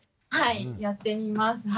はいやってみます。